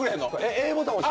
Ａボタン押して。